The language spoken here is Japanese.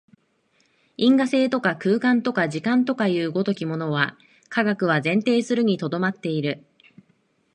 因果性とか空間とか時間とかという如きものは、科学は前提するに留まっている。